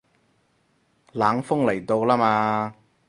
冷鋒嚟到啦嘛